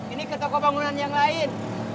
ini ke toko bangunan yang lain